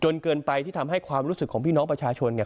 และก็ทำให้ความรู้สึกของพี่น้องประชาชนเนี่ย